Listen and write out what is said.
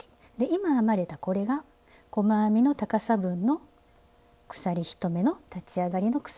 今編まれたこれが細編みの高さ分の鎖１目の立ち上がりの鎖。